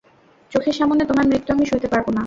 চোখের সামনে তোমার মৃত্যু আমি সইতে পারব না!